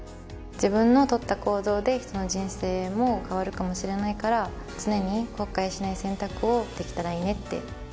自分のとった行動で人の人生も変わるかもしれないから常に後悔しない選択をできたらいいねって。